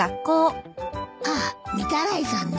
ああ御手洗さんね。